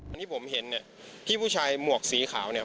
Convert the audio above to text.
อันนี้ผมเห็นเนี่ยที่ผู้ชายหมวกสีขาวเนี่ย